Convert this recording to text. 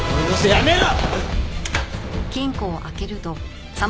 やめろ！